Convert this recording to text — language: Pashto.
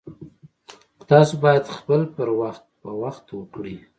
تاسو باید خپل پر وخت په وخت وکړئ